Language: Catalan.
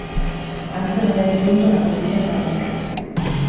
Han treballat junts a la mateixa fàbrica.